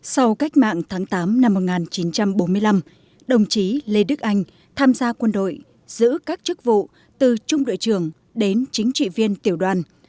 sau cách mạng tháng tám năm một nghìn chín trăm bốn mươi năm đồng chí lê đức anh tham gia quân đội giữ các chức vụ từ trung đội trưởng đến chính trị viên tiểu đoàn